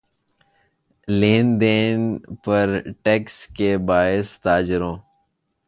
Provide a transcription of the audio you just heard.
لین دین پر ٹیکس کے باعث تاجروں